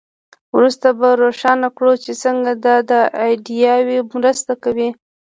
وروسته به روښانه کړو چې څنګه دا ایډیاوې مرسته کوي.